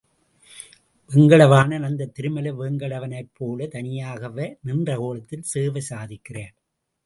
வேங்கடவாணன் அந்த திருமலை வேங்கடவனைப் போல தனியாகவே நின்ற கோலத்தில் சேவை சாதிக்கிறார்.